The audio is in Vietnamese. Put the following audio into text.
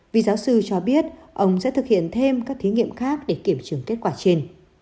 vì giáo sư cho biết ông sẽ thực hiện thêm các thí nghiệm khác để kiểm chứng kết quả trên